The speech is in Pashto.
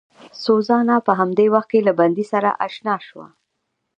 سوزانا په همدې وخت کې له بندي سره اشنا شوه.